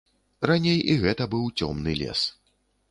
Раней і гэта быў цёмны лес.